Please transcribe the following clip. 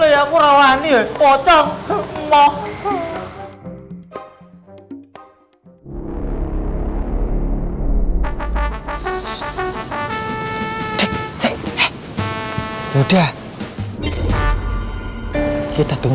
yaudah yuk kita pulang